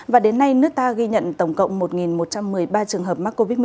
và đến nay nước ta ghi nhận tổng cộng một một trăm một mươi ba trường hợp mắc covid một mươi chín